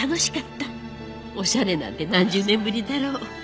おしゃれなんて何十年ぶりだろう。